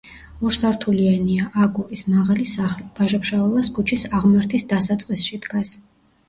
ორსართულიანია, აგურის, მაღალი სახლი, ვაჟა-ფშაველას ქუჩის აღმართის დასაწყისში დგას.